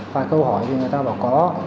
vài câu hỏi thì người ta bảo có